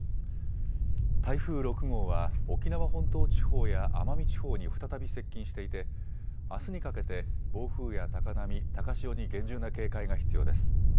台風６号は沖縄本島地方や奄美地方に再び接近していてあすにかけて暴風や高波、高潮に厳重な警戒が必要です。